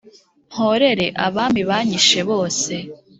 mporere abami banyishe bose